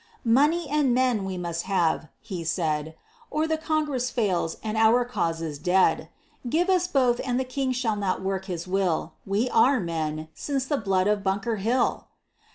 "Money and men we must have," he said, "Or the Congress fails and our cause is dead; Give us both and the King shall not work his will. We are men, since the blood of Bunker Hill!"